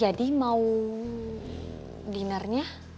jadi mau dinernya